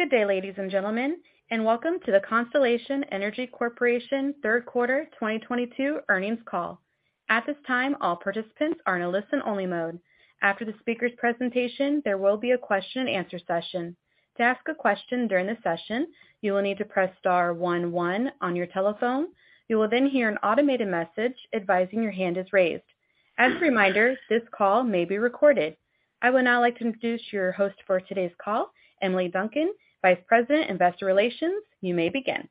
Good day, ladies and gentlemen, and welcome to the Constellation Energy Corporation third quarter 2022 earnings call. At this time, all participants are in a listen-only mode. After the speaker's presentation, there will be a question and answer session. To ask a question during the session, you will need to press star one one on your telephone. You will then hear an automated message advising your hand is raised. As a reminder, this call may be recorded. I would now like to introduce your host for today's call, Emily Duncan, Vice President, Investor Relations. You may begin.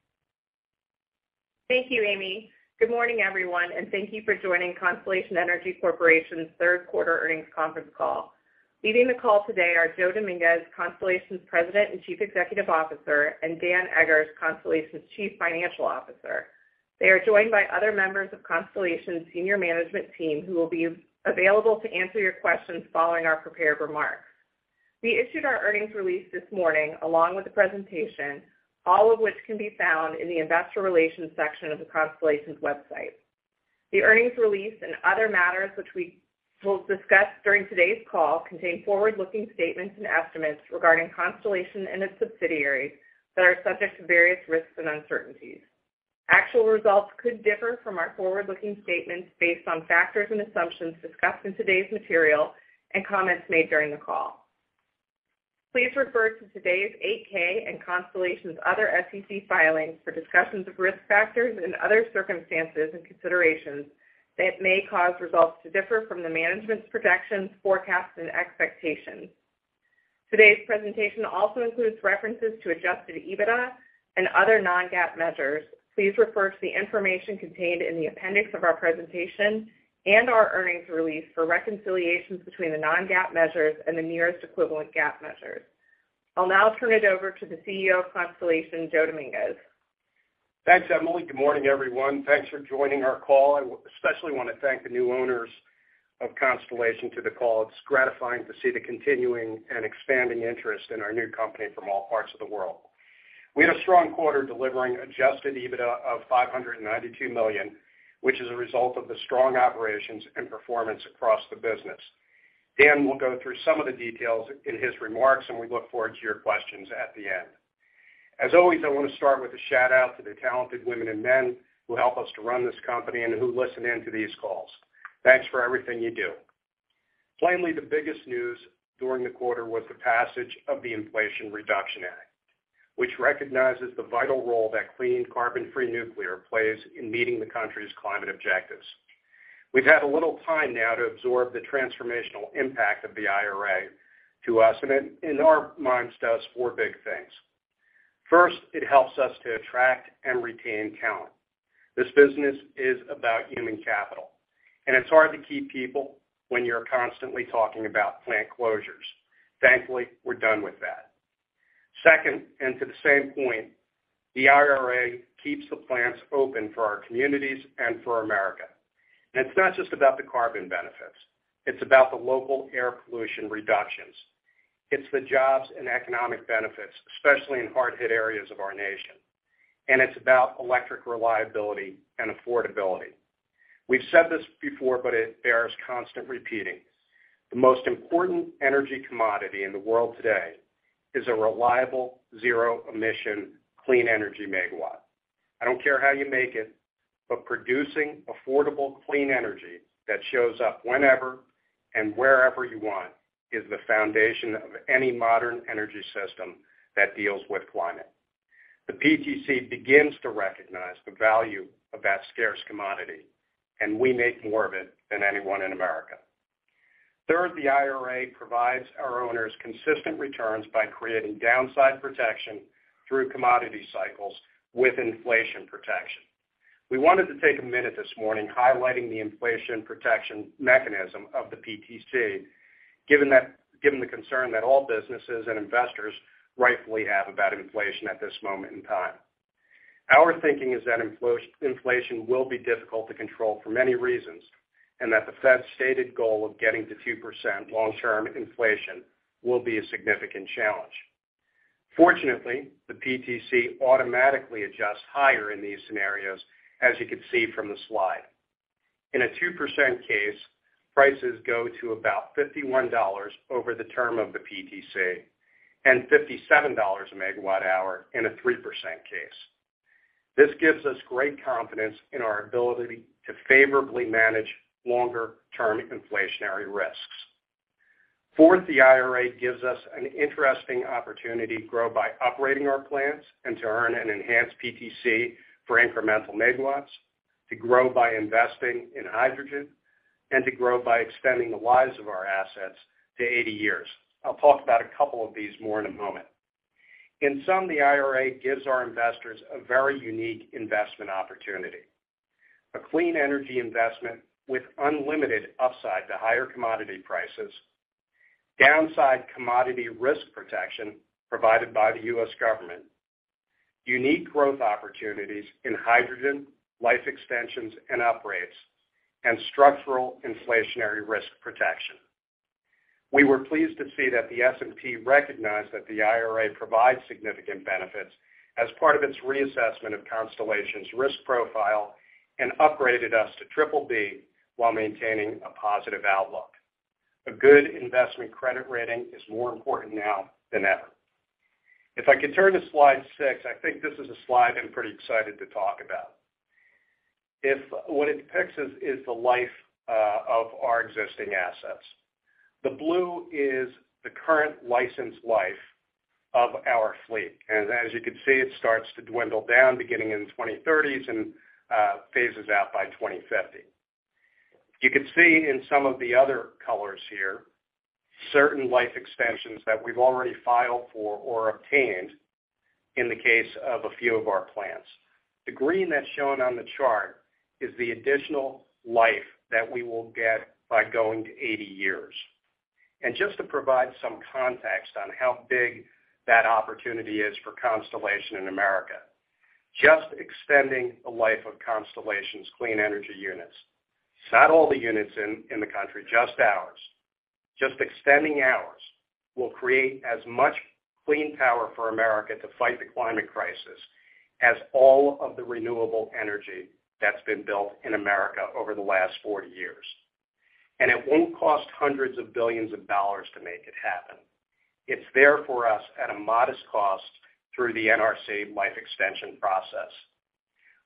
Thank you, Amy. Good morning, everyone, and thank you for joining Constellation Energy Corporation's third quarter earnings conference call. Leading the call today are Joe Dominguez, Constellation's President and Chief Executive Officer, and Dan Eggers, Constellation's Chief Financial Officer. They are joined by other members of Constellation's senior management team who will be available to answer your questions following our prepared remarks. We issued our earnings release this morning along with the presentation, all of which can be found in the Investor Relations section of Constellation's website. The earnings release and other matters which we will discuss during today's call contain forward-looking statements and estimates regarding Constellation and its subsidiaries that are subject to various risks and uncertainties. Actual results could differ from our forward-looking statements based on factors and assumptions discussed in today's material and comments made during the call. Please refer to today's 8-K and Constellation's other SEC filings for discussions of risk factors and other circumstances and considerations that may cause results to differ from the management's projections, forecasts, and expectations. Today's presentation also includes references to adjusted EBITDA and other non-GAAP measures. Please refer to the information contained in the appendix of our presentation and our earnings release for reconciliations between the non-GAAP measures and the nearest equivalent GAAP measures. I'll now turn it over to the CEO of Constellation, Joe Dominguez. Thanks, Emily. Good morning, everyone. Thanks for joining our call. I especially want to thank the new owners of Constellation to the call. It's gratifying to see the continuing and expanding interest in our new company from all parts of the world. We had a strong quarter delivering adjusted EBITDA of $592 million, which is a result of the strong operations and performance across the business. Dan will go through some of the details in his remarks, and we look forward to your questions at the end. As always, I want to start with a shout-out to the talented women and men who help us to run this company and who listen in to these calls. Thanks for everything you do. Plainly, the biggest news during the quarter was the passage of the Inflation Reduction Act, which recognizes the vital role that clean, carbon-free nuclear plays in meeting the country's climate objectives. We've had a little time now to absorb the transformational impact of the IRA to us, and in our minds, it does four big things. First, it helps us to attract and retain talent. This business is about human capital, and it's hard to keep people when you're constantly talking about plant closures. Thankfully, we're done with that. Second, and to the same point, the IRA keeps the plants open for our communities and for America. It's not just about the carbon benefits. It's about the local air pollution reductions. It's the jobs and economic benefits, especially in hard-hit areas of our nation. It's about electric reliability and affordability. We've said this before, but it bears constant repeating. The most important energy commodity in the world today is a reliable, zero-emission, clean energy megawatt. I don't care how you make it, but producing affordable, clean energy that shows up whenever and wherever you want is the foundation of any modern energy system that deals with climate. The PTC begins to recognize the value of that scarce commodity, and we make more of it than anyone in America. Third, the IRA provides our owners consistent returns by creating downside protection through commodity cycles with inflation protection. We wanted to take a minute this morning highlighting the inflation protection mechanism of the PTC, given the concern that all businesses and investors rightfully have about inflation at this moment in time. Our thinking is that inflation will be difficult to control for many reasons, and that the Fed's stated goal of getting to 2% long-term inflation will be a significant challenge. Fortunately, the PTC automatically adjusts higher in these scenarios, as you can see from the slide. In a 2% case, prices go to about $51 over the term of the PTC, and $57 a megawatt hour in a 3% case. This gives us great confidence in our ability to favorably manage longer-term inflationary risks. Fourth, the IRA gives us an interesting opportunity to grow by operating our plants and to earn an enhanced PTC for incremental megawatts, to grow by investing in hydrogen, and to grow by extending the lives of our assets to 80 years. I'll talk about a couple of these more in a moment. In sum, the IRA gives our investors a very unique investment opportunity. A clean energy investment with unlimited upside to higher commodity prices, downside commodity risk protection provided by the U.S. government, unique growth opportunities in hydrogen, life extensions, and uprates, and structural inflationary risk protection. We were pleased to see that the S&P recognized that the IRA provides significant benefits as part of its reassessment of Constellation's risk profile and upgraded us to triple B while maintaining a positive outlook. A good investment credit rating is more important now than ever. If I could turn to slide six, I think this is a slide I'm pretty excited to talk about. What it depicts is the life of our existing assets. The blue is the current licensed life of our fleet, and as you can see, it starts to dwindle down beginning in the 2030s and phases out by 2050. You can see in some of the other colors here, certain life extensions that we've already filed for or obtained in the case of a few of our plants. The green that's shown on the chart is the additional life that we will get by going to 80 years. Just to provide some context on how big that opportunity is for Constellation in America, just extending the life of Constellation's clean energy units, not all the units in the country, just ours. Just extending ours will create as much clean power for America to fight the climate crisis as all of the renewable energy that's been built in America over the last 40 years. It won't cost hundreds of billions of dollars to make it happen. It's there for us at a modest cost through the NRC life extension process.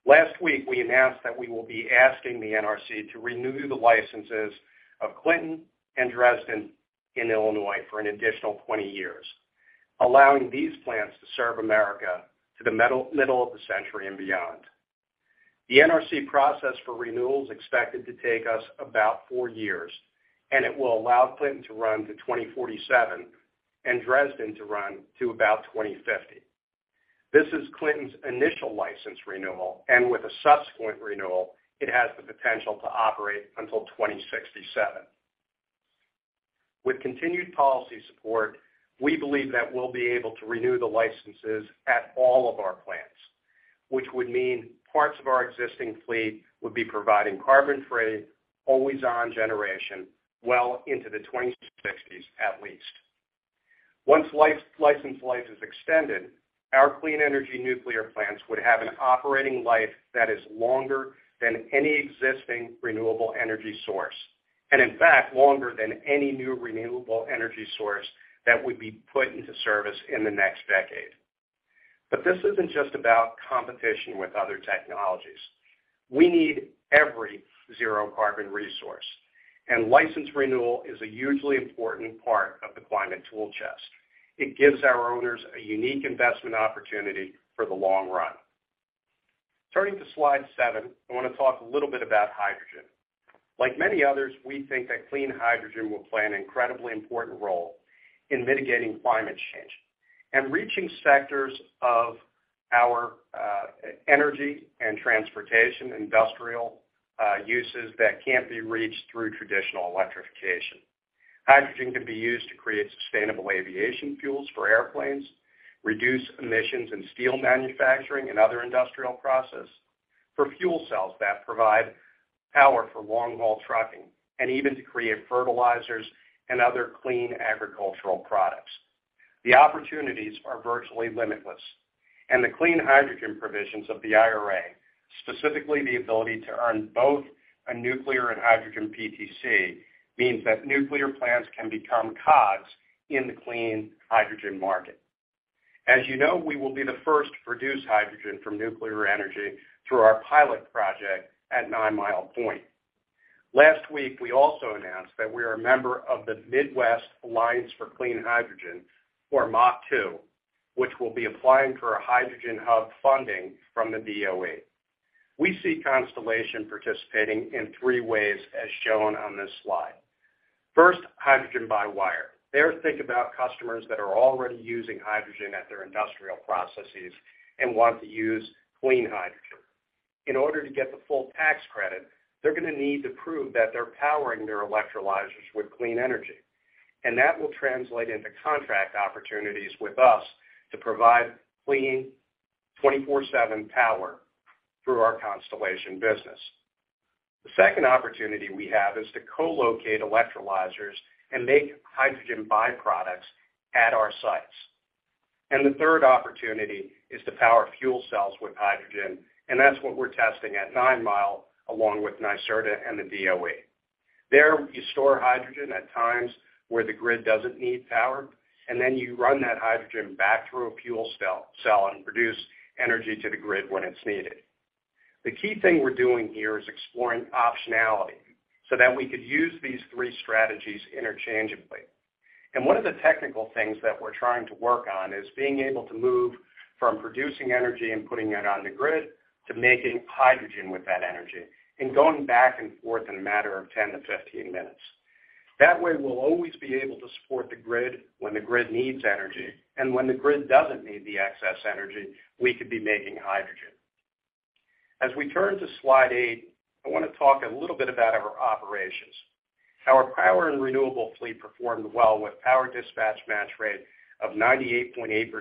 Last week, we announced that we will be asking the NRC to renew the licenses of Clinton and Dresden in Illinois for an additional 20 years, allowing these plants to serve America to the middle of the century and beyond. The NRC process for renewal is expected to take us about four years. It will allow Clinton to run to 2047 and Dresden to run to about 2050. This is Clinton's initial license renewal. With a subsequent renewal, it has the potential to operate until 2067. With continued policy support, we believe that we'll be able to renew the licenses at all of our plants, which would mean parts of our existing fleet would be providing carbon-free, always-on generation well into the 2060s at least. Once license life is extended, our clean energy nuclear plants would have an operating life that is longer than any existing renewable energy source. In fact, longer than any new renewable energy source that would be put into service in the next decade. This isn't just about competition with other technologies. We need every zero carbon resource. License renewal is a hugely important part of the climate tool chest. It gives our owners a unique investment opportunity for the long run. Turning to slide seven, I want to talk a little bit about hydrogen. Like many others, we think that clean hydrogen will play an incredibly important role in mitigating climate change and reaching sectors of our energy and transportation, industrial uses that can't be reached through traditional electrification. Hydrogen can be used to create sustainable aviation fuels for airplanes, reduce emissions in steel manufacturing and other industrial process, for fuel cells that provide power for long-haul trucking. Even to create fertilizers and other clean agricultural products. The opportunities are virtually limitless. The clean hydrogen provisions of the IRA, specifically the ability to earn both a nuclear and hydrogen PTC, means that nuclear plants can become cogs in the clean hydrogen market. As you know, we will be the first to produce hydrogen from nuclear energy through our pilot project at Nine Mile Point. Last week, we also announced that we are a member of the Midwest Alliance for Clean Hydrogen, or MACH2, which will be applying for a hydrogen hub funding from the DOE. We see Constellation participating in three ways as shown on this slide. First, hydrogen by wire. There, think about customers that are already using hydrogen at their industrial processes and want to use clean hydrogen. In order to get the full tax credit, they're going to need to prove that they're powering their electrolyzers with clean energy, and that will translate into contract opportunities with us to provide clean 24/7 power through our Constellation business. The second opportunity we have is to co-locate electrolyzers and make hydrogen byproducts at our sites. The third opportunity is to power fuel cells with hydrogen, and that's what we're testing at Nine Mile, along with NYSERDA and the DOE. There, you store hydrogen at times where the grid doesn't need power, and then you run that hydrogen back through a fuel cell and produce energy to the grid when it's needed. The key thing we're doing here is exploring optionality so that we could use these three strategies interchangeably. One of the technical things that we're trying to work on is being able to move from producing energy and putting it on the grid to making hydrogen with that energy and going back and forth in a matter of 10 to 15 minutes. That way, we'll always be able to support the grid when the grid needs energy. When the grid doesn't need the excess energy, we could be making hydrogen. As we turn to slide eight, I want to talk a little bit about our operations. Our power and renewable fleet performed well with power dispatch match rate of 98.8%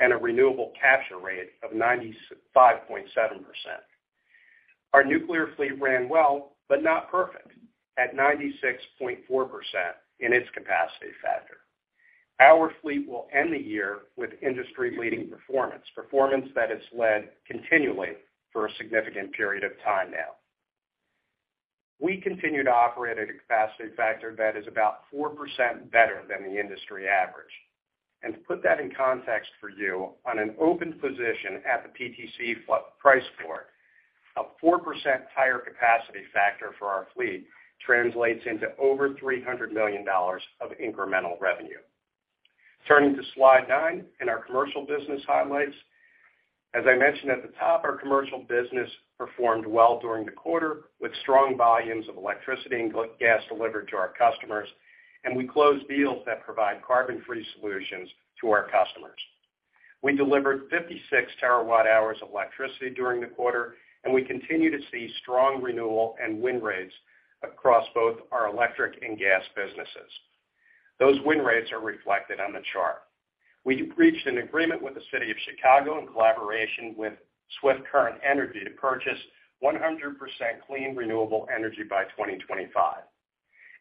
and a renewable capture rate of 95.7%. Our nuclear fleet ran well but not perfect, at 96.4% in its capacity factor. Our fleet will end the year with industry-leading performance that has led continually for a significant period of time now. We continue to operate at a capacity factor that is about 4% better than the industry average. To put that in context for you, on an open position at the PTC price floor, a 4% higher capacity factor for our fleet translates into over $300 million of incremental revenue. Turning to Slide 9 in our commercial business highlights, as I mentioned at the top, our commercial business performed well during the quarter, with strong volumes of electricity and gas delivered to our customers, and we closed deals that provide carbon-free solutions to our customers. We delivered 56 terawatt hours of electricity during the quarter, and we continue to see strong renewal and win rates across both our electric and gas businesses. Those win rates are reflected on the chart. We reached an agreement with the City of Chicago in collaboration with Swift Current Energy to purchase 100% clean, renewable energy by 2025.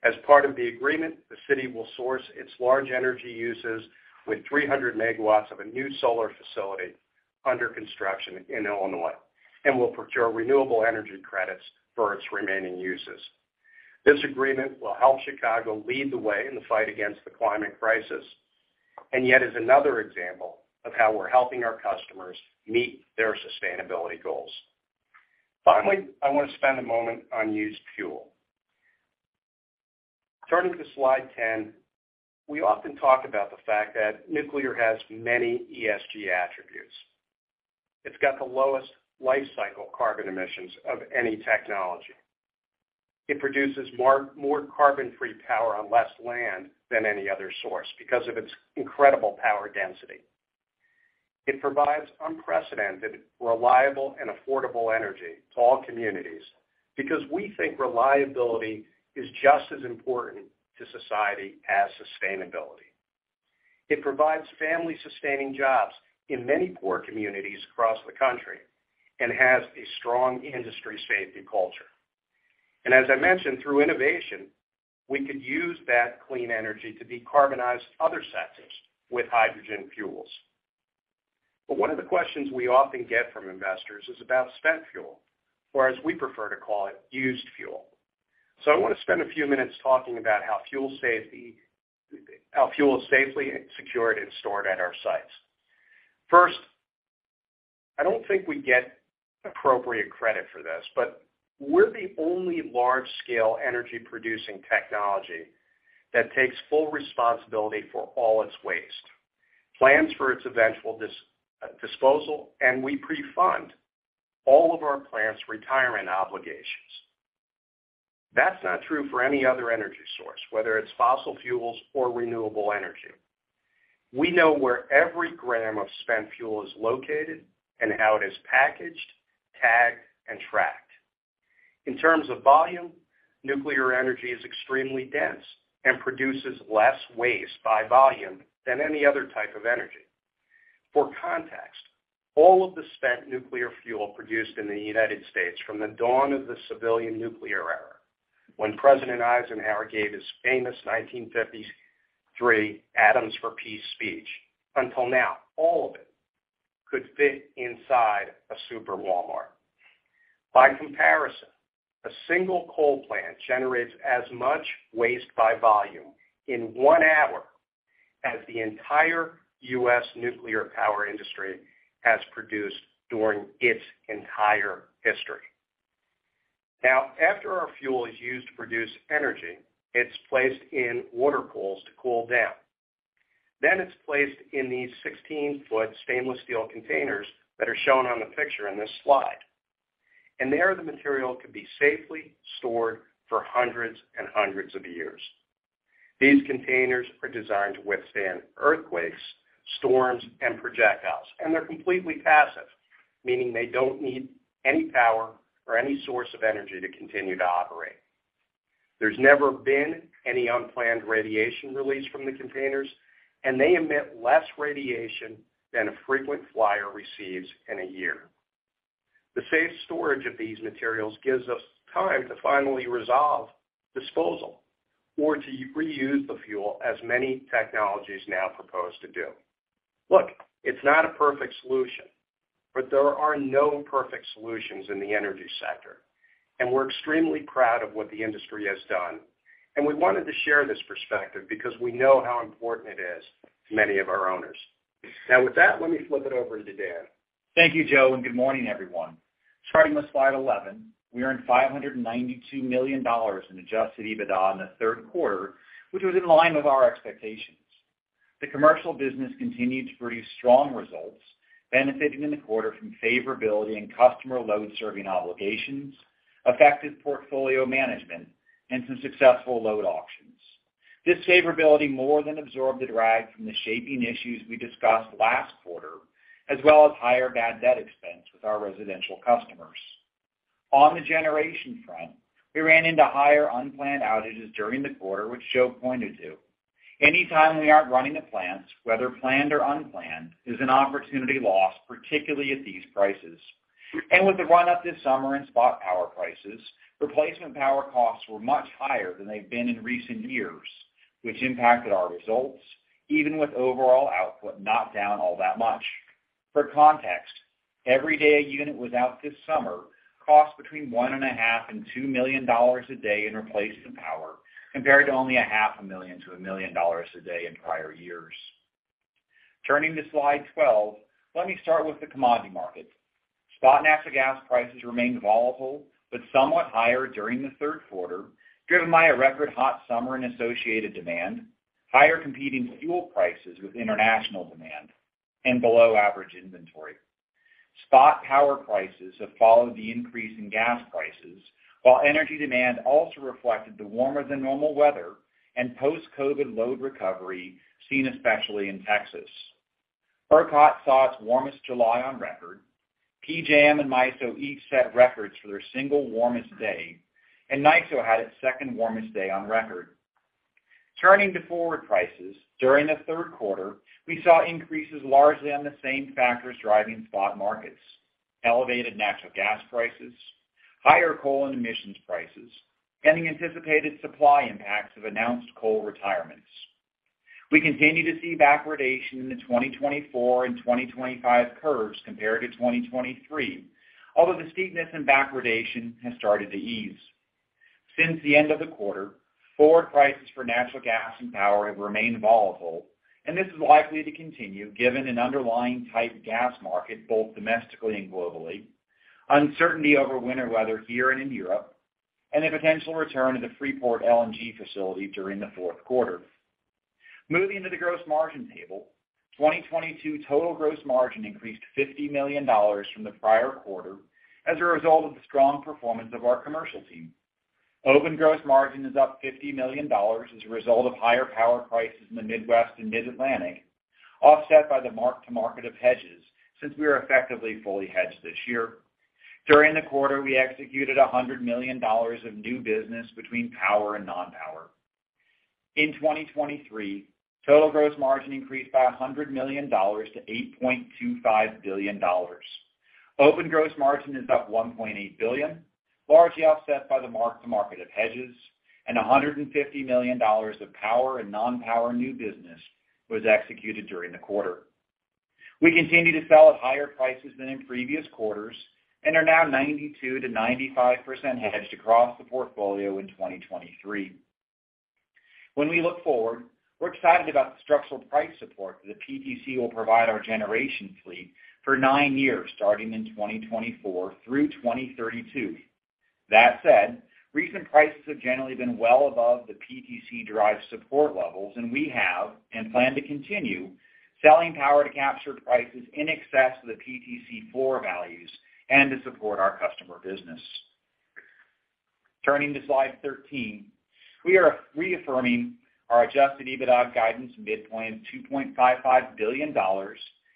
As part of the agreement, the city will source its large energy uses with 300 megawatts of a new solar facility under construction in Illinois and will procure renewable energy credits for its remaining uses. This agreement will help Chicago lead the way in the fight against the climate crisis, yet is another example of how we're helping our customers meet their sustainability goals. Finally, I want to spend a moment on used fuel. Turning to Slide 10, we often talk about the fact that nuclear has many ESG attributes. It's got the lowest life cycle carbon emissions of any technology. It produces more carbon-free power on less land than any other source because of its incredible power density. It provides unprecedented, reliable, and affordable energy to all communities because we think reliability is just as important to society as sustainability. It provides family-sustaining jobs in many poor communities across the country and has a strong industry safety culture. As I mentioned, through innovation, we could use that clean energy to decarbonize other sectors with hydrogen fuels. One of the questions we often get from investors is about spent fuel, or as we prefer to call it, used fuel. I want to spend a few minutes talking about how fuel is safely secured and stored at our sites. First, I don't think we get appropriate credit for this, but we're the only large-scale energy-producing technology that takes full responsibility for all its waste, plans for its eventual disposal, and we pre-fund all of our plants' retirement obligations. That's not true for any other energy source, whether it's fossil fuels or renewable energy. We know where every gram of spent fuel is located and how it is packaged, tagged, and tracked. In terms of volume, nuclear energy is extremely dense and produces less waste by volume than any other type of energy. For context, all of the spent nuclear fuel produced in the U.S. from the dawn of the civilian nuclear era, when President Eisenhower gave his famous 1953 Atoms for Peace speech, until now, all of it could fit inside a Walmart Supercenter. By comparison, a single coal plant generates as much waste by volume in one hour as the entire U.S. nuclear power industry has produced during its entire history. After our fuel is used to produce energy, it's placed in water pools to cool down. It's placed in these 16-foot stainless steel containers that are shown on the picture in this slide. There, the material can be safely stored for hundreds and hundreds of years. These containers are designed to withstand earthquakes, storms, and projectiles, they're completely passive, meaning they don't need any power or any source of energy to continue to operate. There's never been any unplanned radiation release from the containers, and they emit less radiation than a frequent flyer receives in a year. The safe storage of these materials gives us time to finally resolve disposal or to reuse the fuel as many technologies now propose to do. Look, it's not a perfect solution, there are no perfect solutions in the energy sector, we're extremely proud of what the industry has done, we wanted to share this perspective because we know how important it is to many of our owners. With that, let me flip it over to Dan. Thank you, Joe, and good morning, everyone. Starting with Slide 11, we earned $592 million in adjusted EBITDA in the third quarter, which was in line with our expectations. The commercial business continued to produce strong results, benefiting in the quarter from favorability and customer load-serving obligations, effective portfolio management, and some successful load auctions. This favorability more than absorbed the drag from the shaping issues we discussed last quarter, as well as higher bad debt expense with our residential customers. On the generation front, we ran into higher unplanned outages during the quarter, which Joe pointed to. Anytime we aren't running a plant, whether planned or unplanned, is an opportunity loss, particularly at these prices. With the run up this summer in spot power prices, replacement power costs were much higher than they've been in recent years, which impacted our results, even with overall output not down all that much. For context, every day a unit was out this summer cost between $1.5 million and $2 million a day in replacement power, compared to only a half a million to $1 million a day in prior years. Turning to Slide 12, let me start with the commodity markets. Spot natural gas prices remained volatile, but somewhat higher during the third quarter, driven by a record hot summer and associated demand, higher competing fuel prices with international demand, and below-average inventory. Spot power prices have followed the increase in gas prices, while energy demand also reflected the warmer than normal weather and post-COVID load recovery, seen especially in Texas. ERCOT saw its warmest July on record. PJM and MISO each set records for their single warmest day, and NYISO had its second warmest day on record. Turning to forward prices, during the third quarter, we saw increases largely on the same factors driving spot markets: elevated natural gas prices, higher coal and emissions prices, and the anticipated supply impacts of announced coal retirements. We continue to see backwardation in the 2024 and 2025 curves compared to 2023, although the steepness and backwardation has started to ease. Since the end of the quarter, forward prices for natural gas and power have remained volatile, and this is likely to continue given an underlying tight gas market, both domestically and globally, uncertainty over winter weather here and in Europe, and the potential return of the Freeport LNG facility during the fourth quarter. Moving to the gross margin table, 2022 total gross margin increased $50 million from the prior quarter as a result of the strong performance of our commercial team. Open gross margin is up $50 million as a result of higher power prices in the Midwest and Mid-Atlantic, offset by the mark-to-market of hedges, since we are effectively fully hedged this year. During the quarter, we executed $100 million of new business between power and non-power. In 2023, total gross margin increased by $100 million to $8.25 billion. Open gross margin is up $1.8 billion, largely offset by the mark-to-market of hedges, and $150 million of power and non-power new business was executed during the quarter. We continue to sell at higher prices than in previous quarters and are now 92%-95% hedged across the portfolio in 2023. When we look forward, we're excited about the structural price support that the PTC will provide our generation fleet for nine years, starting in 2024 through 2032. That said, recent prices have generally been well above the PTC-derived support levels. We have, and plan to continue, selling power to capture prices in excess of the PTC floor values and to support our customer business. Turning to slide 13. We are reaffirming our adjusted EBITDA guidance midpoint of $2.55 billion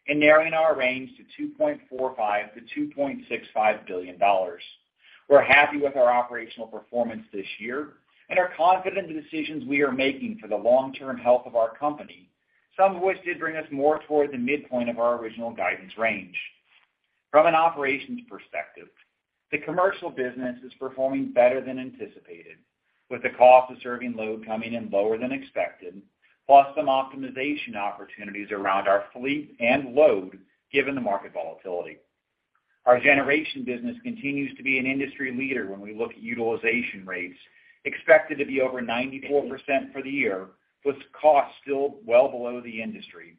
and narrowing our range to $2.45 billion-$2.65 billion. We're happy with our operational performance this year and are confident in the decisions we are making for the long-term health of our company, some of which did bring us more toward the midpoint of our original guidance range. From an operations perspective, the commercial business is performing better than anticipated, with the cost of serving load coming in lower than expected, plus some optimization opportunities around our fleet and load, given the market volatility. Our generation business continues to be an industry leader when we look at utilization rates, expected to be over 94% for the year, with costs still well below the industry.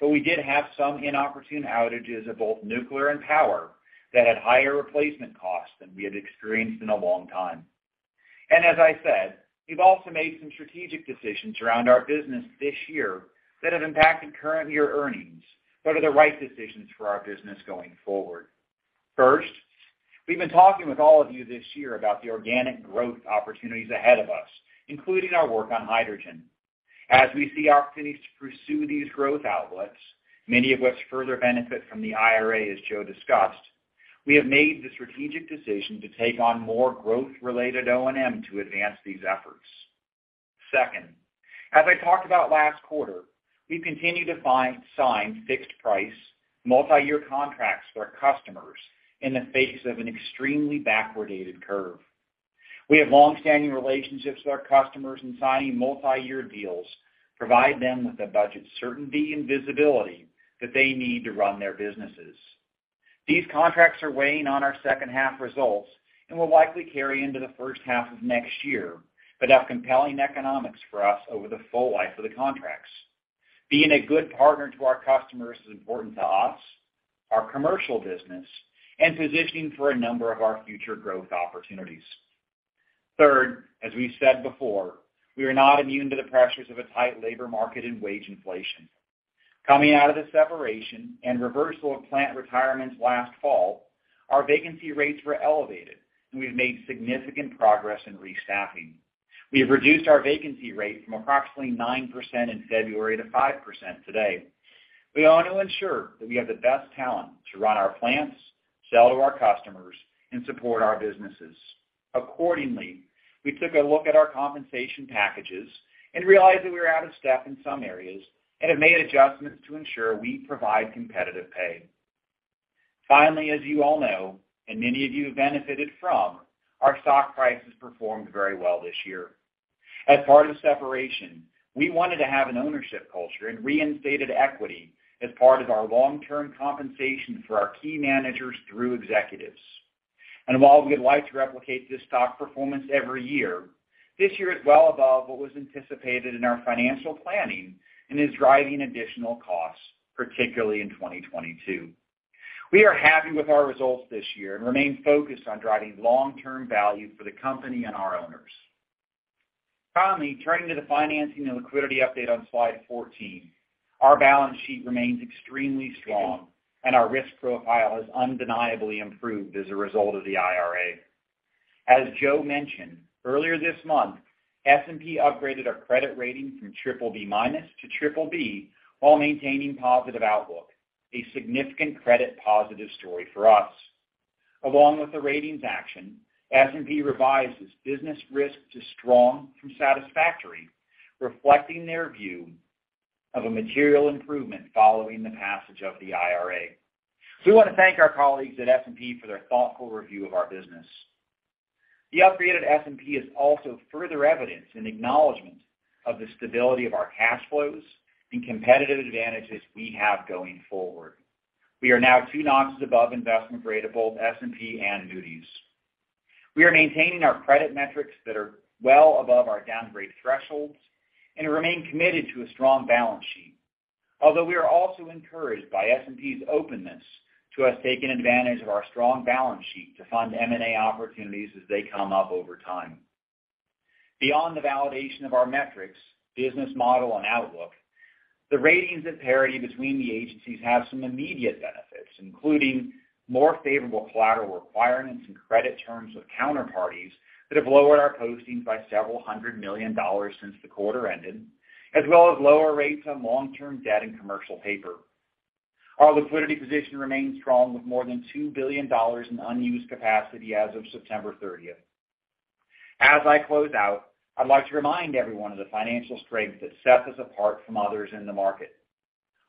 We did have some inopportune outages of both nuclear and power that had higher replacement costs than we had experienced in a long time. As I said, we've also made some strategic decisions around our business this year that have impacted current year earnings, but are the right decisions for our business going forward. First, we've been talking with all of you this year about the organic growth opportunities ahead of us, including our work on hydrogen. As we see opportunities to pursue these growth outlets, many of which further benefit from the IRA, as Joe discussed, we have made the strategic decision to take on more growth-related O&M to advance these efforts. Second, as I talked about last quarter, we continue to find signed, fixed price, multi-year contracts to our customers in the face of an extremely backwardated curve. We have long-standing relationships with our customers, signing multi-year deals provide them with the budget certainty and visibility that they need to run their businesses. These contracts are weighing on our second half results and will likely carry into the first half of next year, but have compelling economics for us over the full life of the contracts. Being a good partner to our customers is important to us, our commercial business, and positioning for a number of our future growth opportunities. Third, as we've said before, we are not immune to the pressures of a tight labor market and wage inflation. Coming out of the separation and reversal of plant retirements last fall, our vacancy rates were elevated. We've made significant progress in restaffing. We have reduced our vacancy rate from approximately 9% in February to 5% today. We aim to ensure that we have the best talent to run our plants, sell to our customers, and support our businesses. Accordingly, we took a look at our compensation packages, realized that we were out of step in some areas, and have made adjustments to ensure we provide competitive pay. Finally, as you all know, many of you have benefited from, our stock price has performed very well this year. As part of separation, we wanted to have an ownership culture and reinstated equity as part of our long-term compensation for our key managers through executives. While we'd like to replicate this stock performance every year, this year is well above what was anticipated in our financial planning and is driving additional costs, particularly in 2022. We are happy with our results this year and remain focused on driving long-term value for the company and our owners. Finally, turning to the financing and liquidity update on slide 14. Our balance sheet remains extremely strong, and our risk profile has undeniably improved as a result of the IRA. As Joe mentioned, earlier this month, S&P upgraded our credit rating from triple B minus to triple B while maintaining positive outlook, a significant credit positive story for us. Along with the ratings action, S&P revised its business risk to strong from satisfactory, reflecting their view of a material improvement following the passage of the IRA. We want to thank our colleagues at S&P for their thoughtful review of our business. The upgraded S&P is also further evidence and acknowledgement of the stability of our cash flows and competitive advantages we have going forward. We are now two notches above investment grade of both S&P and Moody's. We are maintaining our credit metrics that are well above our downgrade thresholds and remain committed to a strong balance sheet. Although we are also encouraged by S&P's openness to us taking advantage of our strong balance sheet to fund M&A opportunities as they come up over time. Beyond the validation of our metrics, business model and outlook, the ratings and parity between the agencies have some immediate benefits, including more favorable collateral requirements and credit terms with counterparties that have lowered our postings by several hundred million dollars since the quarter ended, as well as lower rates on long-term debt and commercial paper. Our liquidity position remains strong with more than $2 billion in unused capacity as of September 30th. As I close out, I'd like to remind everyone of the financial strength that sets us apart from others in the market.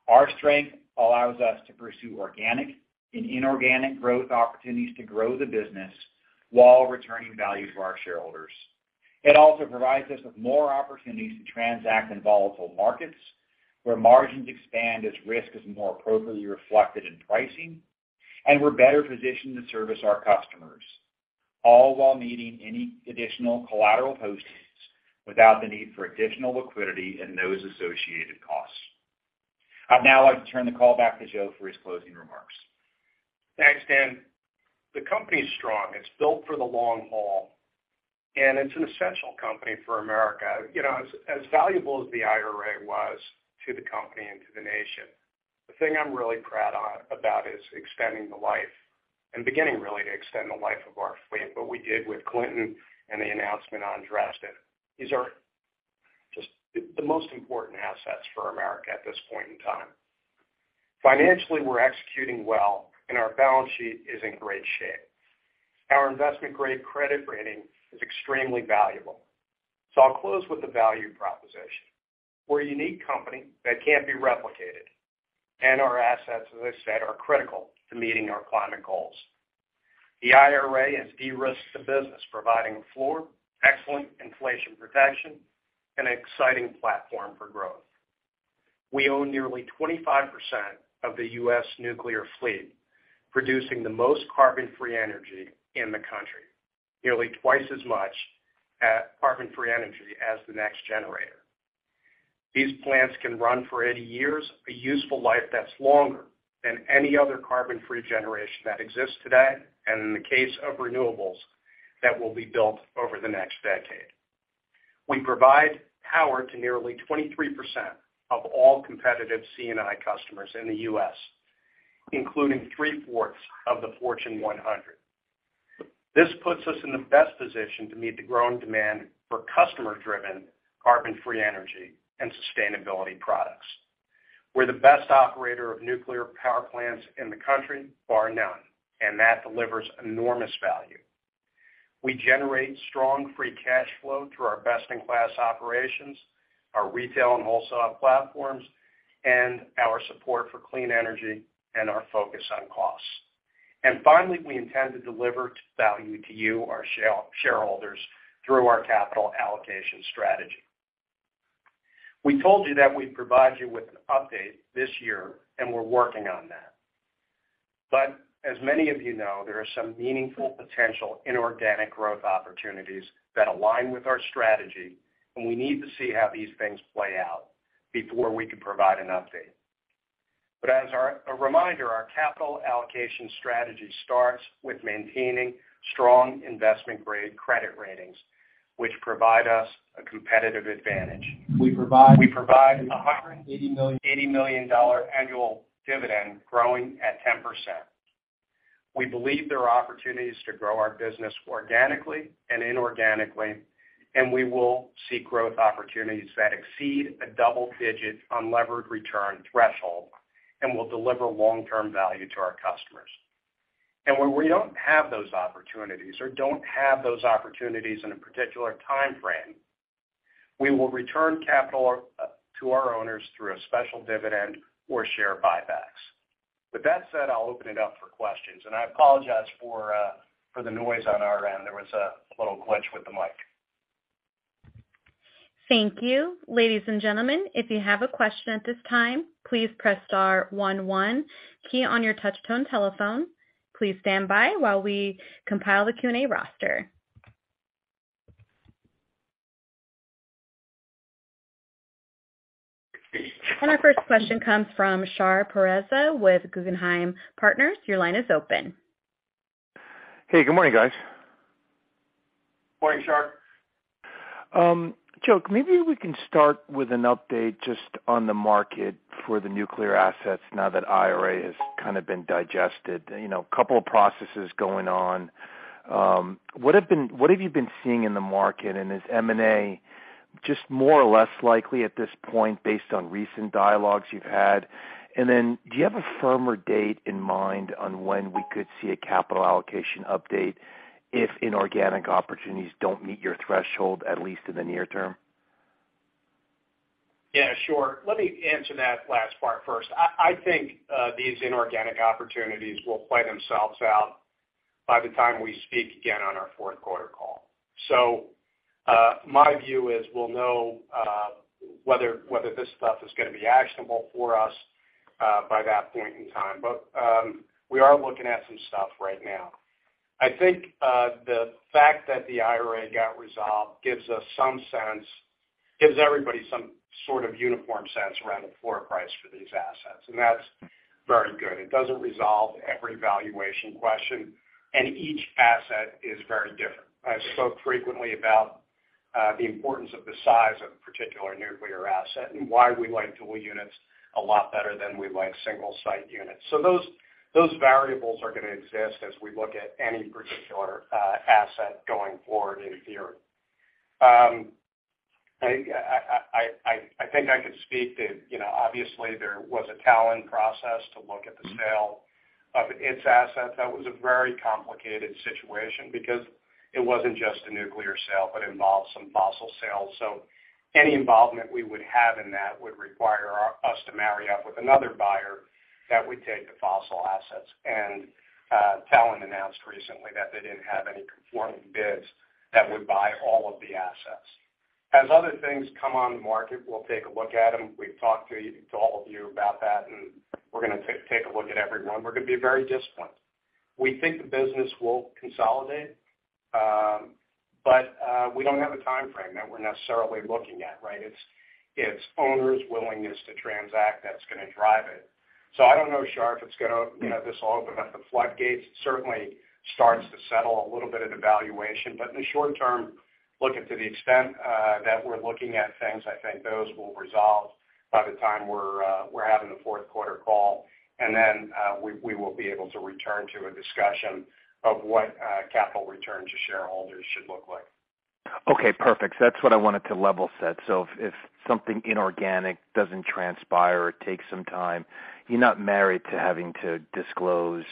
Our strength allows us to pursue organic and inorganic growth opportunities to grow the business while returning value to our shareholders. It also provides us with more opportunities to transact in volatile markets where margins expand as risk is more appropriately reflected in pricing, and we're better positioned to service our customers, all while meeting any additional collateral postings without the need for additional liquidity and those associated costs. I'd now like to turn the call back to Joe for his closing remarks. Thanks, Dan. The company is strong. It's built for the long haul, and it's an essential company for America. As valuable as the IRA was to the company and to the nation, the thing I'm really proud about is extending the life and beginning really to extend the life of our fleet, what we did with Clinton and the announcement on Dresden. These are just the most important assets for America at this point in time. Financially, we're executing well, and our balance sheet is in great shape. Our investment-grade credit rating is extremely valuable. I'll close with the value proposition. We're a unique company that can't be replicated, and our assets, as I said, are critical to meeting our climate goals. The IRA has de-risked the business, providing a floor, excellent inflation protection, and an exciting platform for growth. We own nearly 25% of the U.S. nuclear fleet, producing the most carbon-free energy in the country, nearly twice as much carbon-free energy as the next generator. These plants can run for 80 years, a useful life that's longer than any other carbon-free generation that exists today, and in the case of renewables, that will be built over the next decade. We provide power to nearly 23% of all competitive C&I customers in the U.S., including three-fourths of the Fortune 100. This puts us in the best position to meet the growing demand for customer-driven carbon-free energy and sustainability products. We're the best operator of nuclear power plants in the country, bar none, and that delivers enormous value. We generate strong free cash flow through our best-in-class operations, our retail and wholesale platforms, and our support for clean energy and our focus on costs. Finally, we intend to deliver value to you, our shareholders, through our capital allocation strategy. We told you that we'd provide you with an update this year, and we're working on that. As many of you know, there are some meaningful potential inorganic growth opportunities that align with our strategy, and we need to see how these things play out before we can provide an update. As a reminder, our capital allocation strategy starts with maintaining strong investment-grade credit ratings, which provide us a competitive advantage. We provide a $180 million annual dividend growing at 10%. We believe there are opportunities to grow our business organically and inorganically, and we will seek growth opportunities that exceed a double-digit unlevered return threshold and will deliver long-term value to our customers. When we don't have those opportunities or don't have those opportunities in a particular timeframe, we will return capital to our owners through a special dividend or share buybacks. With that said, I'll open it up for questions, and I apologize for the noise on our end. There was a little glitch with the mic. Thank you. Ladies and gentlemen, if you have a question at this time, please press star 1 1 key on your touch-tone telephone. Please stand by while we compile the Q&A roster. Our first question comes from Shahriar Pourreza with Guggenheim Partners. Your line is open. Hey, good morning, guys. Morning, Shar. Joe, maybe we can start with an update just on the market for the nuclear assets now that IRA has kind of been digested. A couple of processes going on. What have you been seeing in the market, and is M&A just more or less likely at this point based on recent dialogues you've had? Do you have a firmer date in mind on when we could see a capital allocation update if inorganic opportunities don't meet your threshold, at least in the near term? Yeah, sure. Let me answer that last part first. I think these inorganic opportunities will play themselves out by the time we speak again on our fourth quarter call. My view is we'll know whether this stuff is going to be actionable for us by that point in time. We are looking at some stuff right now. I think the fact that the IRA got resolved gives us some sense, gives everybody some sort of uniform sense around a floor price for these assets, and that's very good. It doesn't resolve every valuation question, and each asset is very different. I spoke frequently about the importance of the size of a particular nuclear asset and why we like dual units a lot better than we like single-site units. Those variables are going to exist as we look at any particular asset going forward in theory. I think I could speak to, obviously there was a Talen process to look at the sale of its assets. That was a very complicated situation because it wasn't just a nuclear sale, but involved some fossil sales. Any involvement we would have in that would require us to marry up with another buyer that would take the fossil assets. Talen announced recently that they didn't have any conforming bids that would buy all of the assets. As other things come on the market, we'll take a look at them. We've talked to all of you about that, and we're going to take a look at every one. We're going to be very disciplined. We think the business will consolidate, but we don't have a timeframe that we're necessarily looking at, right? It's owners' willingness to transact that's going to drive it. I don't know, Shar, if it's going to, this will open up the floodgates. It certainly starts to settle a little bit at a valuation. In the short term, looking to the extent that we're looking at things, I think those will resolve by the time we're having the fourth quarter call. Then we will be able to return to a discussion of what capital returns to shareholders should look like. Okay, perfect. That's what I wanted to level set. If something inorganic doesn't transpire or takes some time, you're not married to having to disclose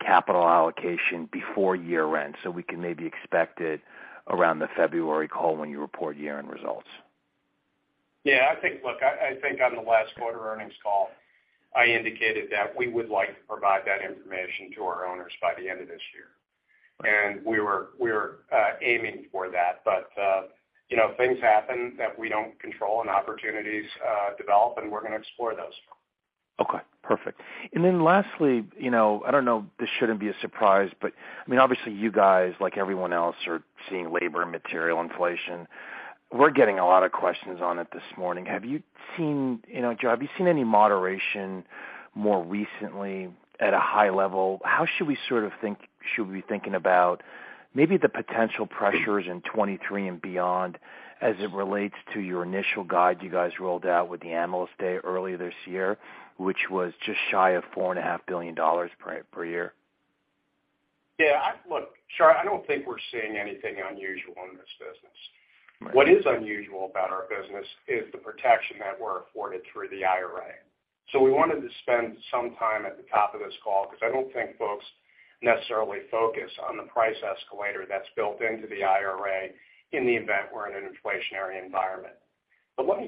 capital allocation before year-end, so we can maybe expect it around the February call when you report year-end results. I think on the last quarter earnings call, I indicated that we would like to provide that information to our owners by the end of this year. We're aiming for that. Things happen that we don't control and opportunities develop, we're going to explore those. Okay, perfect. Lastly, I don't know if this shouldn't be a surprise, obviously you guys, like everyone else, are seeing labor and material inflation. We're getting a lot of questions on it this morning. Have you seen any moderation more recently at a high level? How should we think about maybe the potential pressures in 2023 and beyond as it relates to your initial guide you guys rolled out with the Analyst Day earlier this year, which was just shy of $4.5 billion per year? Yeah. Look, Shar, I don't think we're seeing anything unusual in this business. Right. What is unusual about our business is the protection that we're afforded through the IRA. We wanted to spend some time at the top of this call because I don't think folks necessarily focus on the price escalator that's built into the IRA in the event we're in an inflationary environment. Let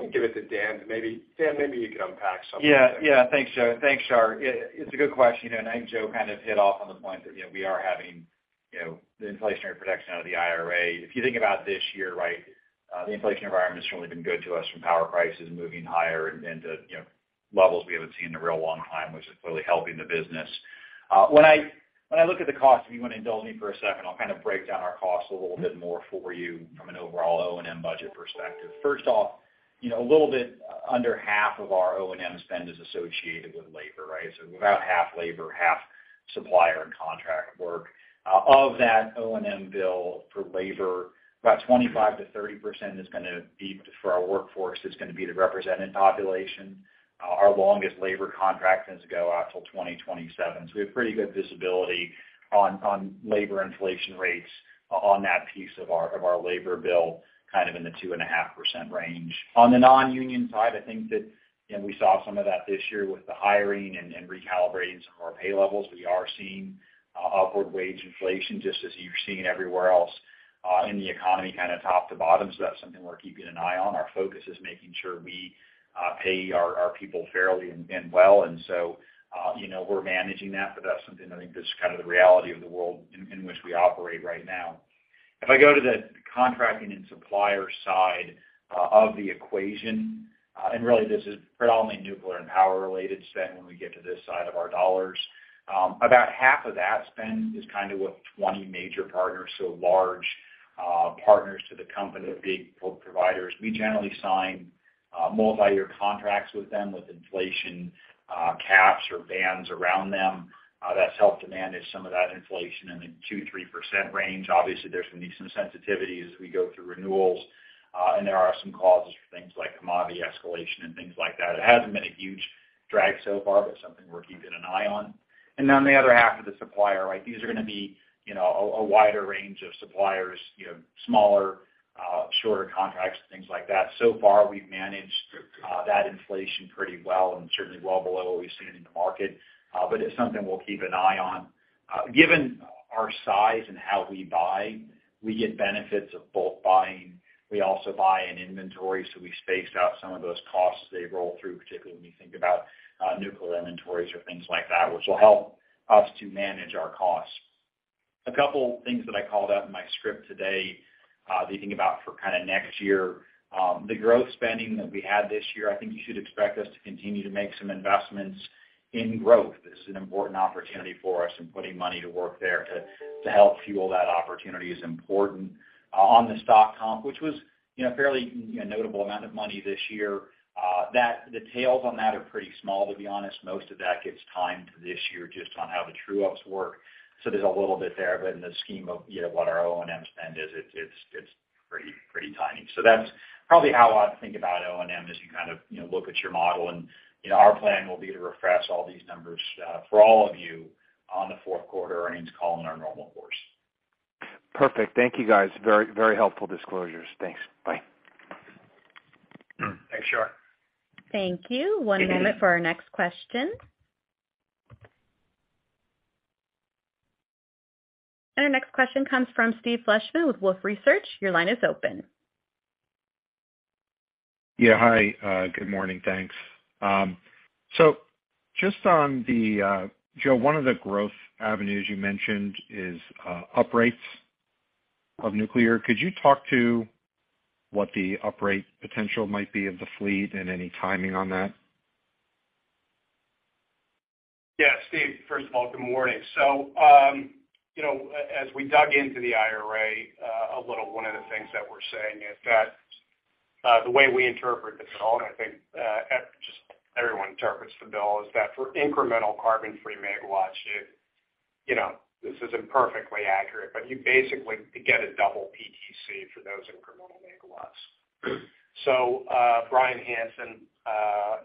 me give it to Dan. Dan, maybe you could unpack some of it. Yeah. Thanks, Joe. Thanks, Shar. It's a good question. I think Joe kind of hit off on the point that we are having the inflationary protection out of the IRA. If you think about this year, the inflation environment has certainly been good to us from power prices moving higher into levels we haven't seen in a real long time, which is clearly helping the business. When I look at the cost, if you want to indulge me for a second, I'll kind of break down our costs a little bit more for you from an overall O&M budget perspective. First off, a little bit under half of our O&M spend is associated with labor. About half labor, half supplier and contract work. Of that O&M bill for labor, about 25%-30% for our workforce is going to be the represented population. Our longest labor contract tends to go out till 2027. We have pretty good visibility on labor inflation rates on that piece of our labor bill kind of in the two and a half percent range. On the non-union side, I think that we saw some of that this year with the hiring and recalibrating some of our pay levels. We are seeing upward wage inflation, just as you're seeing everywhere else in the economy, kind of top to bottom. That's something we're keeping an eye on. Our focus is making sure we pay our people fairly and well. We're managing that. That's something I think that's kind of the reality of the world in which we operate right now. If I go to the contracting and supplier side of the equation, really this is predominantly nuclear and power-related spend when we get to this side of our dollars. About half of that spend is kind of with 20 major partners, large partners to the company, big providers. We generally sign multi-year contracts with them with inflation caps or bans around them. That's helped to manage some of that inflation in the 2% or 3% range. Obviously, there's going to be some sensitivity as we go through renewals, there are some clauses for things like commodity escalation and things like that. It hasn't been a huge drag so far, something we're keeping an eye on. The other half of the supplier, these are going to be a wider range of suppliers, smaller, shorter contracts and things like that. Far, we've managed that inflation pretty well and certainly well below what we've seen in the market. It's something we'll keep an eye on. Given our size and how we buy, we get benefits of bulk buying. We also buy in inventory. We spaced out some of those costs they roll through, particularly when you think about nuclear inventories or things like that, which will help us to manage our costs. A couple things that I called out in my script today that you think about for kind of next year. The growth spending that we had this year, I think you should expect us to continue to make some investments in growth. This is an important opportunity for us, putting money to work there to help fuel that opportunity is important. On the stock comp, which was a fairly notable amount of money this year, the tails on that are pretty small, to be honest. Most of that gets timed to this year just on how the true-ups work. There's a little bit there, but in the scheme of what our O&M spend is, it's pretty tiny. That's probably how I'd think about O&M as you kind of look at your model. Our plan will be to refresh all these numbers for all of you on the fourth quarter earnings call in our normal course. Perfect. Thank you guys. Very helpful disclosures. Thanks. Bye. Thanks, Shar. Thank you. One moment for our next question. Our next question comes from Steve Fleishman with Wolfe Research. Your line is open. Yeah. Hi, good morning, thanks. Just on the Joe, one of the growth avenues you mentioned is uprates of nuclear. Could you talk to what the uprate potential might be of the fleet and any timing on that? Yeah, Steve, first of all, good morning. As we dug into the IRA a little, one of the things that we're saying is that the way we interpret this at all, and I think just everyone interprets the bill, is that for incremental carbon-free megawatts, this isn't perfectly accurate, but you basically get a double PTC for those incremental megawatts. Bryan Hanson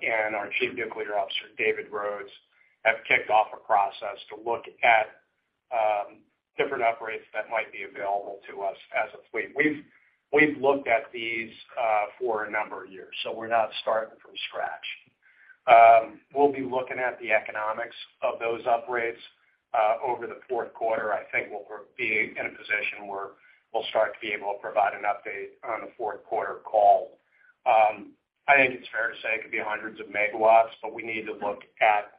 and our Chief Nuclear Officer, David Rhoades, have kicked off a process to look at different uprates that might be available to us as a fleet. We've looked at these for a number of years, so we're not starting from scratch. We'll be looking at the economics of those uprates over the fourth quarter. I think we'll be in a position where we'll start to be able to provide an update on the fourth quarter call. I think it's fair to say it could be hundreds of megawatts, but we need to look at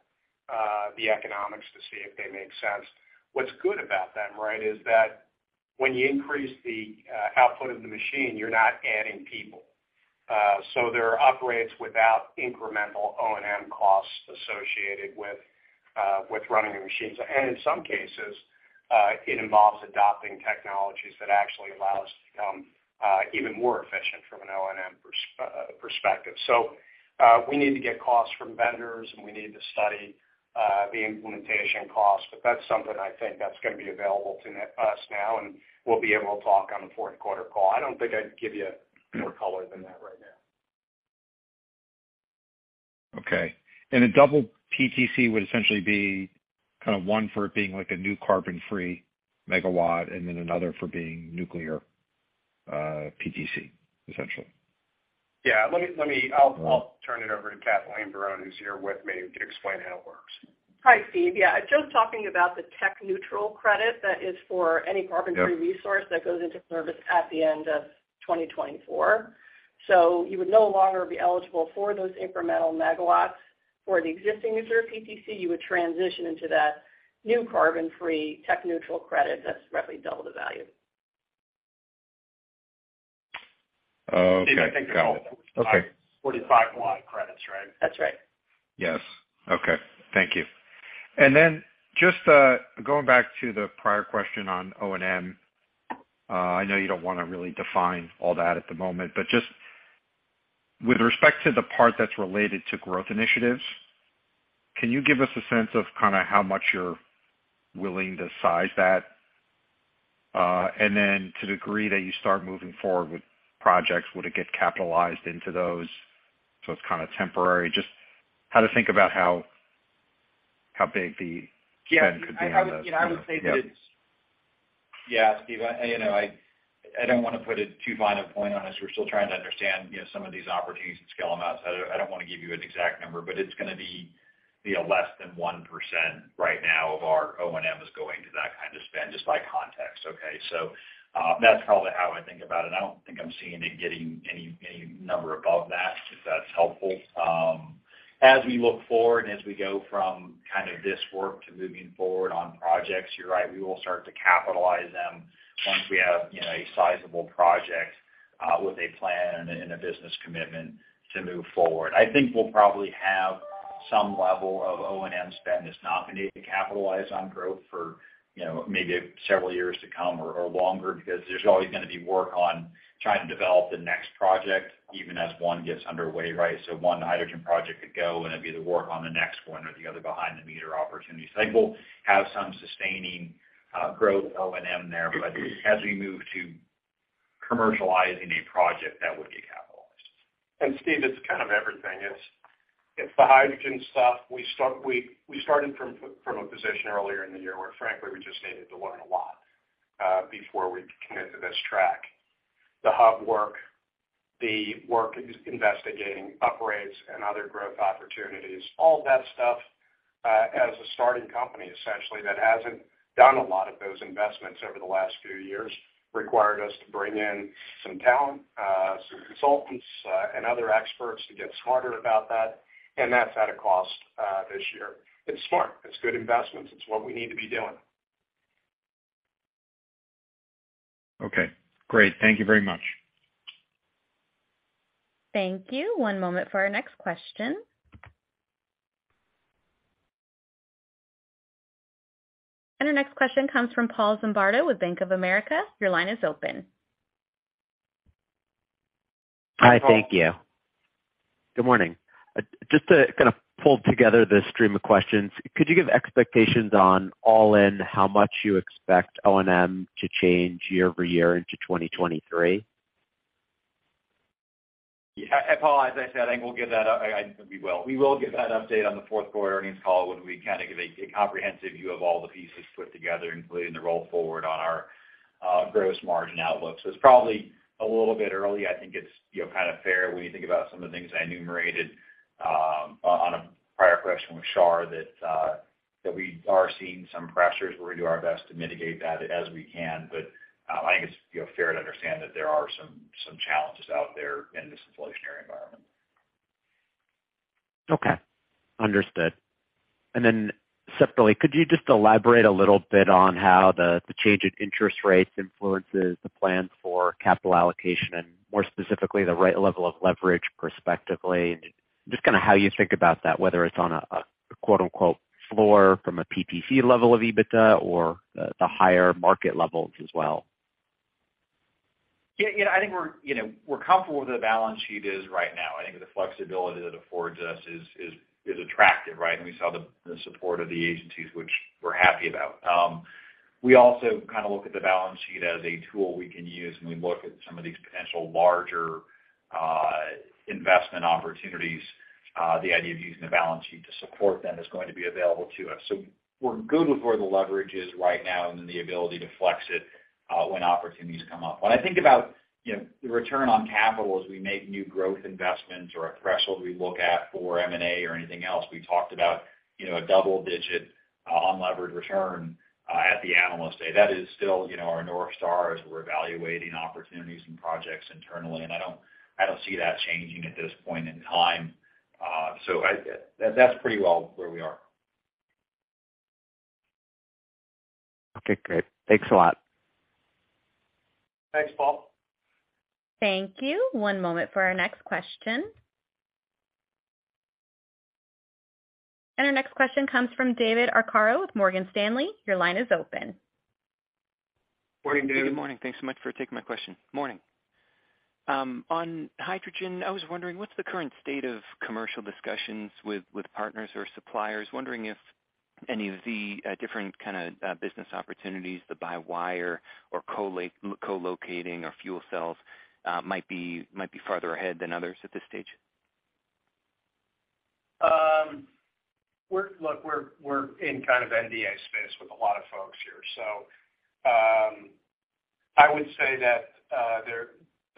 the economics to see if they make sense. What's good about them, is that when you increase the output of the machine, you're not adding people. There are uprates without incremental O&M costs associated with running the machines. In some cases, it involves adopting technologies that actually allow us to become even more efficient from an O&M perspective. We need to get costs from vendors, and we need to study the implementation cost. That's something I think that's going to be available to us now, and we'll be able to talk on the fourth quarter call. I don't think I'd give you more color than that right now. Okay. A double PTC would essentially be kind of one for it being like a new carbon-free megawatt, and then another for being nuclear PTC, essentially? Yeah. I'll turn it over to Kathleen Barrón, who's here with me, who can explain how it works. Hi, Steve. Yeah. Joe's talking about the tech neutral credit that is for any carbon-free resource that goes into service at the end of 2024. You would no longer be eligible for those incremental megawatts. For the existing nuclear PTC, you would transition into that new carbon-free tech neutral credit that's roughly double the value. Okay. Steve, I think that's 45Y credits, right? That's right. Yes. Okay. Thank you. Just going back to the prior question on O&M, I know you don't want to really define all that at the moment, but just with respect to the part that's related to growth initiatives, can you give us a sense of kind of how much you're willing to size that, and then to the degree that you start moving forward with projects, would it get capitalized into those so it's kind of temporary? Just how to think about how big the- Yeah. -spend could be on the- I would say that it's Yeah, Steve, I don't want to put too fine a point on this. We're still trying to understand some of these opportunities and scale them out. I don't want to give you an exact number, but it's going to be less than 1% right now of our O&M is going to that kind of spend just by context. Okay? That's probably how I think about it. I don't think I'm seeing it getting any number above that, if that's helpful. As we look forward, as we go from this work to moving forward on projects, you're right, we will start to capitalize them once we have a sizable project, with a plan and a business commitment to move forward. I think we'll probably have some level of O&M spend that's not going to capitalize on growth for maybe several years to come or longer, because there's always going to be work on trying to develop the next project even as one gets underway, right? One hydrogen project could go, and it'd be the work on the next one or the other behind-the-meter opportunities. I think we'll have some sustaining growth O&M there, but as we move to commercializing a project, that would get capitalized. Steve, it's kind of everything. It's the hydrogen stuff. We started from a position earlier in the year where, frankly, we just needed to learn a lot, before we commit to this track. The hub work, the work investigating upgrades and other growth opportunities, all that stuff, as a starting company, essentially, that hasn't done a lot of those investments over the last few years, required us to bring in some talent, some consultants, and other experts to get smarter about that. That's at a cost this year. It's smart. It's good investments. It's what we need to be doing. Okay, great. Thank you very much. Thank you. One moment for our next question. Our next question comes from Paul Zimbardo with Bank of America. Your line is open. Hi, Paul. Hi, thank you. Good morning. Just to kind of pull together the stream of questions, could you give expectations on all-in how much you expect O&M to change year-over-year into 2023? Yeah, Paul, as I said, I think we will give that update on the fourth-quarter earnings call when we give a comprehensive view of all the pieces put together, including the roll forward on our gross margin outlook. It's probably a little bit early. I think it's fair when you think about some of the things I enumerated, on a prior question with Shar, that we are seeing some pressures where we do our best to mitigate that as we can. I think it's fair to understand that there are some challenges out there in this inflationary environment. Okay. Understood. Separately, could you just elaborate a little bit on how the change in interest rates influences the plan for capital allocation and more specifically, the right level of leverage perspectively? Just how you think about that, whether it's on a quote, unquote, "floor" from a PTC level of EBITDA or the higher market levels as well. Yeah, I think we're comfortable where the balance sheet is right now. I think the flexibility that affords us is attractive, right? We saw the support of the agencies, which we're happy about. We also look at the balance sheet as a tool we can use when we look at some of these potential larger investment opportunities. The idea of using the balance sheet to support them is going to be available to us. We're good with where the leverage is right now and then the ability to flex it when opportunities come up. When I think about the return on capital as we make new growth investments or a threshold we look at for M&A or anything else, we talked about a double-digit unlevered return at the Analyst Day. That is still our North Star as we're evaluating opportunities and projects internally. I don't see that changing at this point in time. That's pretty well where we are. Okay, great. Thanks a lot. Thanks, Paul. Thank you. One moment for our next question. Our next question comes from David Arcaro with Morgan Stanley. Your line is open. Morning, David. Good morning. Thanks so much for taking my question. Morning. On hydrogen, I was wondering, what's the current state of commercial discussions with partners or suppliers? Wondering if any of the different kind of business opportunities, the by-wire or co-locating or fuel cells, might be farther ahead than others at this stage. Look, we're in kind of NDA space with a lot of folks here. I would say that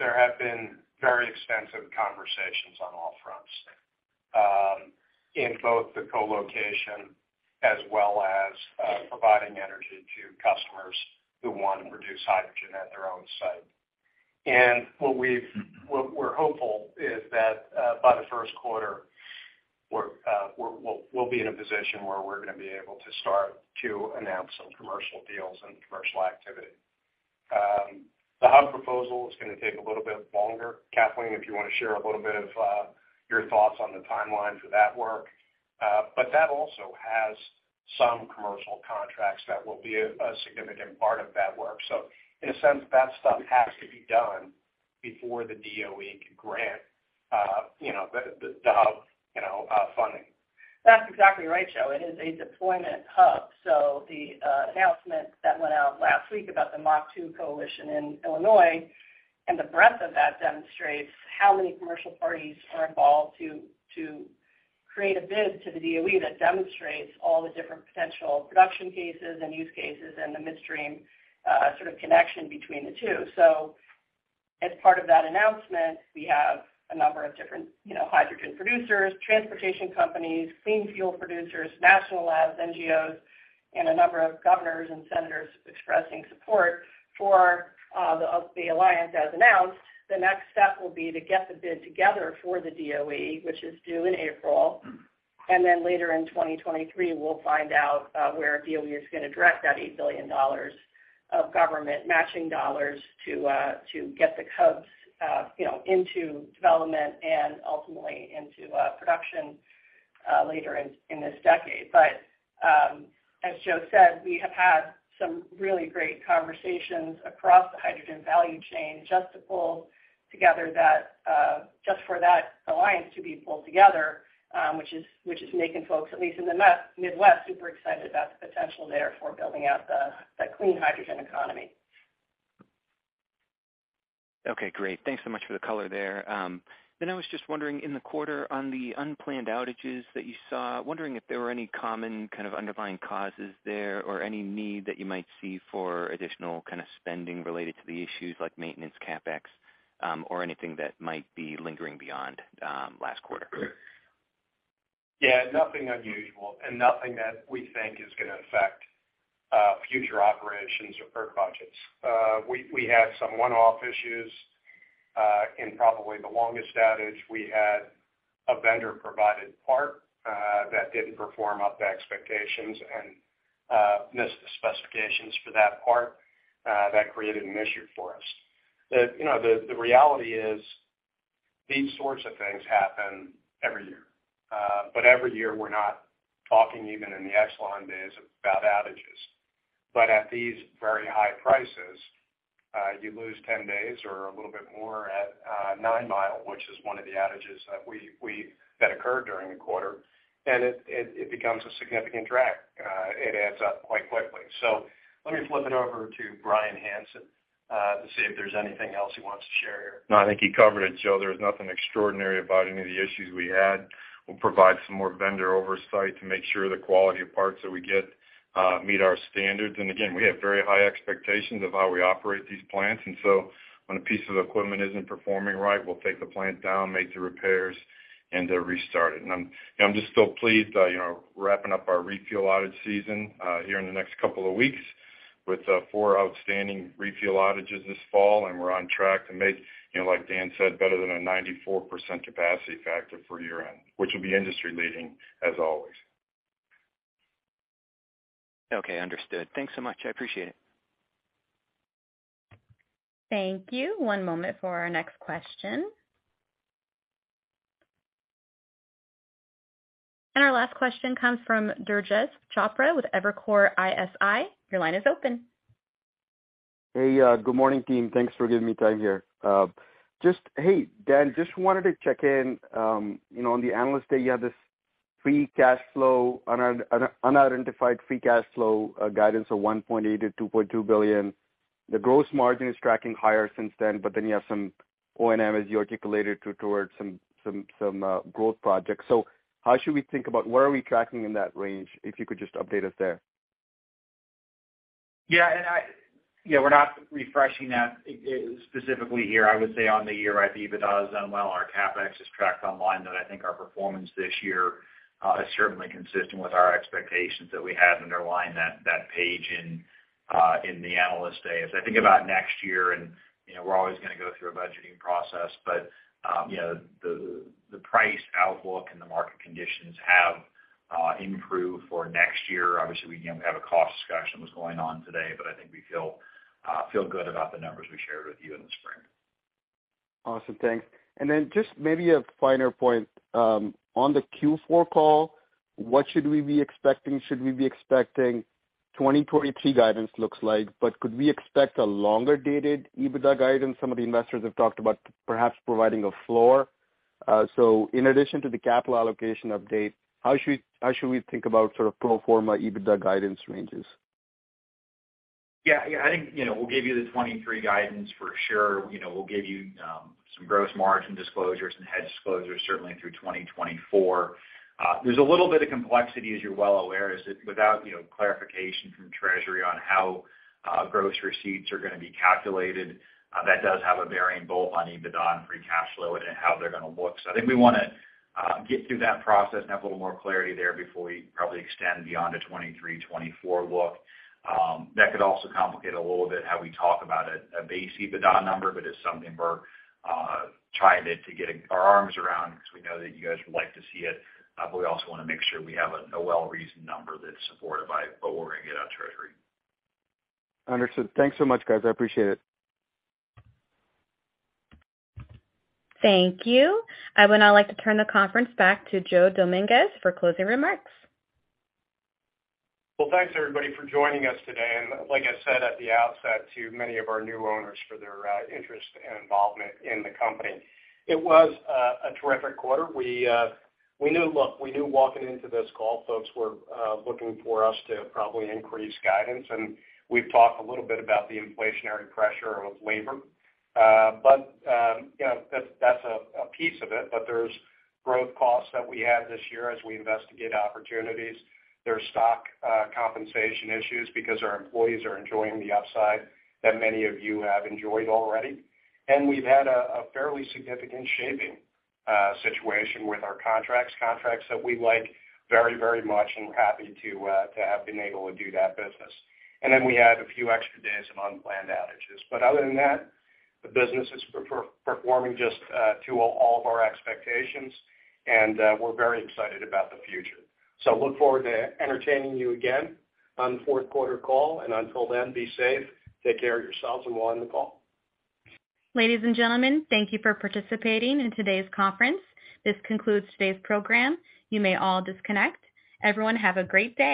there have been very extensive conversations on all fronts, in both the co-location as well as providing energy to customers who want to produce hydrogen at their own site. What we're hopeful is that by the first quarter, we'll be in a position where we're going to be able to start to announce some commercial deals and commercial activity. The hub proposal is going to take a little bit longer. Kathleen, if you want to share a little bit of your thoughts on the timeline for that work. That also has some commercial contracts that will be a significant part of that work. In a sense, that stuff has to be done before the DOE can grant the hub funding. That's exactly right, Joe. It is a deployment hub. The announcement that went out last week about the MachH2 coalition in Illinois, and the breadth of that demonstrates how many commercial parties are involved to create a bid to the DOE that demonstrates all the different potential production cases and use cases, and the midstream connection between the two. As part of that announcement, we have a number of different hydrogen producers, transportation companies, clean fuel producers, national labs, NGOs, and a number of governors and senators expressing support for the alliance as announced. The next step will be to get the bid together for the DOE, which is due in April, and then later in 2023, we'll find out where DOE is going to direct that $8 billion of government matching dollars to get the hubs into development and ultimately into production later in this decade. As Joe said, we have had some really great conversations across the hydrogen value chain just for that alliance to be pulled together, which is making folks, at least in the Midwest, super excited about the potential there for building out the clean hydrogen economy. Okay, great. Thanks so much for the color there. I was just wondering, in the quarter, on the unplanned outages that you saw, wondering if there were any common kind of underlying causes there or any need that you might see for additional spending related to the issues like maintenance CapEx, or anything that might be lingering beyond last quarter? Yeah, nothing unusual and nothing that we think is going to affect future operations or budgets. We had some one-off issues. In probably the longest outage, we had a vendor-provided part that didn't perform up to expectations and missed the specifications for that part. That created an issue for us. The reality is these sorts of things happen every year. Every year we're not talking even in the excellent days about outages. At these very high prices, you lose 10 days or a little bit more at Nine Mile, which is one of the outages that occurred during the quarter, and it becomes a significant drag. It adds up quite quickly. Let me flip it over to Bryan Hanson to see if there's anything else he wants to share here. No, I think you covered it, Joe. There was nothing extraordinary about any of the issues we had. We'll provide some more vendor oversight to make sure the quality of parts that we get meet our standards. Again, we have very high expectations of how we operate these plants, when a piece of equipment isn't performing right, we'll take the plant down, make the repairs, and restart it. I'm just still pleased wrapping up our refuel outage season here in the next couple of weeks with four outstanding refuel outages this fall, and we're on track to make, like Dan said, better than a 94% capacity factor for year-end, which will be industry-leading as always. Okay, understood. Thanks so much. I appreciate it. Thank you. One moment for our next question. Our last question comes from Durgesh Chopra with Evercore ISI. Your line is open. Hey, good morning, team. Thanks for giving me time here. Hey, Dan, just wanted to check in. On the Analyst Day, you had this unidentified free cash flow guidance of $1.8 billion-$2.2 billion. The gross margin is tracking higher since then, but then you have some O&M, as you articulated, towards some growth projects. How should we think about where are we tracking in that range? If you could just update us there. We're not refreshing that specifically here. I would say on the year, EBITDA has done well. Our CapEx has tracked online, and I think our performance this year is certainly consistent with our expectations that we had underlying that page in the Analyst Day. As I think about next year, we're always going to go through a budgeting process, the price outlook and the market conditions have improved for next year. Obviously, we can't have a cost discussion of what's going on today, I think we feel good about the numbers we shared with you in the spring. Awesome. Thanks. Just maybe a finer point. On the Q4 call, what should we be expecting? Should we be expecting 2023 guidance looks like, but could we expect a longer-dated EBITDA guidance? Some of the investors have talked about perhaps providing a floor. In addition to the capital allocation update, how should we think about pro forma EBITDA guidance ranges? Yeah. I think we'll give you the 2023 guidance for sure. We'll give you some gross margin disclosures and hedge disclosures certainly through 2024. There's a little bit of complexity, as you're well aware, is that without clarification from Treasury on how gross receipts are going to be calculated, that does have a bearing both on EBITDA and free cash flow and how they're going to look. I think we want to get through that process and have a little more clarity there before we probably extend beyond a 2023, 2024 look. That could also complicate a little bit how we talk about a base EBITDA number, but it's something we're trying to get our arms around because we know that you guys would like to see it. We also want to make sure we have a well-reasoned number that's supported by what we're going to get out of Treasury. Understood. Thanks so much, guys. I appreciate it. Thank you. I would now like to turn the conference back to Joseph Dominguez for closing remarks. Well, thanks everybody for joining us today. Like I said at the outset to many of our new owners for their interest and involvement in the company. It was a terrific quarter. Look, we knew walking into this call, folks were looking for us to probably increase guidance. We've talked a little bit about the inflationary pressure of labor. That's a piece of it. There's growth costs that we had this year as we investigate opportunities. There's stock compensation issues because our employees are enjoying the upside that many of you have enjoyed already. We've had a fairly significant shaping situation with our contracts that we like very, very much and we're happy to have been able to do that business. We had a few extra days of unplanned outages. Other than that, the business is performing just to all of our expectations. We're very excited about the future. Look forward to entertaining you again on the fourth quarter call. Until then, be safe, take care of yourselves, and we'll be on the call. Ladies and gentlemen, thank you for participating in today's conference. This concludes today's program. You may all disconnect. Everyone, have a great day.